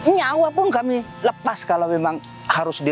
nyawa pun kami lepas kalau memang harus di